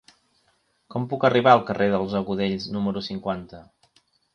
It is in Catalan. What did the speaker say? Com puc arribar al carrer dels Agudells número cinquanta?